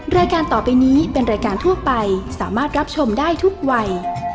รายการต่อไปนี้เป็นรายการทั่วไปสามารถรับชมได้ทุกวัย